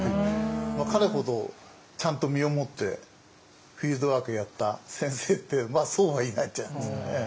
彼ほどちゃんと身をもってフィールドワークやった先生ってそうはいないんじゃないですかね。